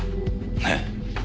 ええ。